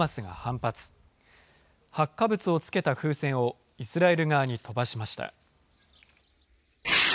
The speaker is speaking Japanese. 発火物をつけた風船をイスラエル側に飛ばしました。